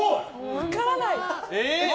分からない！